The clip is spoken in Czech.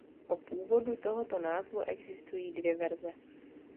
O původu tohoto názvu existují dvě verze.